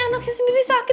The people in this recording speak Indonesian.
anaknya sendiri sakit